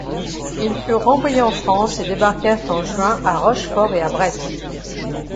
Ils furent renvoyés en France et débarquèrent en juin à Rochefort et à Brest.